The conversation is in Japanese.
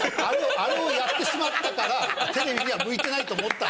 あれをやってしまったからテレビには向いてないと思ったの。